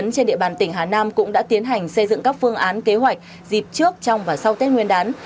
công an trên địa bàn tỉnh hà nam cũng đã tiến hành xây dựng các phương án kế hoạch dịp trước trong và sau tết nguyên đán